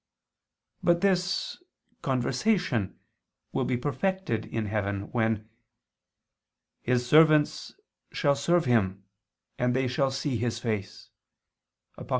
But this "conversation" will be perfected in heaven, when "His servants shall serve Him, and they shall see His face" (Apoc.